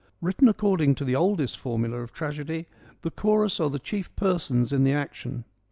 Written according to the oldest formula of tragedy, the chorus are the chief persons in the action.